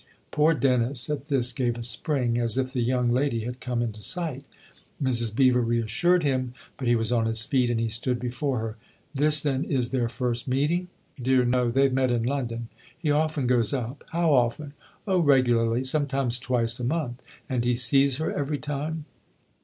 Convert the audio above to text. Poor Dennis, at this, guve a spring, as if the young lady had come into sight. Mrs. Beever reassured him, but he was on his feet and he stood before her. " This then is their first meeting ?"" Dear, no ! they've met in London. He often goes up." " How often ?" 124 THE OTHER HOUSE " Oh, irregularly. Sometimes twice a month." " And he sees her every time